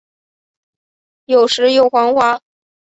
有时有蕈环。